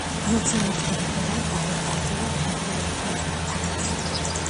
როცა მოწყენილი ვარ გარეთ გავდივარ და მეგობრებთან ერთად ვთამაშობ